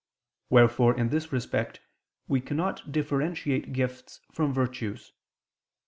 Wherefore in this respect we cannot differentiate gifts from virtues.